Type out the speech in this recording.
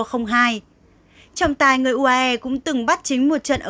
trọng tài người uae cũng từng bắt chính một trận ở world cup hai nghìn một mươi tám